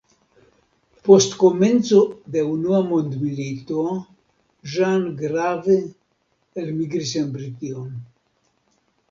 Post komenco de Unua mondmilito Jean Grave, elmigris en Brition.